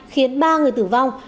khiến ba người tử vong